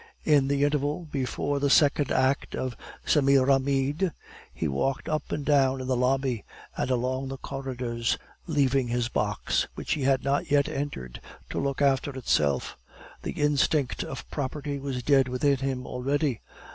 In the interval before the second act of Semiramide he walked up and down in the lobby, and along the corridors, leaving his box, which he had not yet entered, to look after itself. The instinct of property was dead within him already.